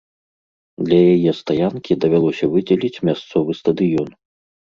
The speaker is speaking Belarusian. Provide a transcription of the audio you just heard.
Для яе стаянкі давялося выдзеліць мясцовы стадыён.